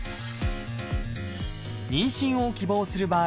妊娠を希望する場合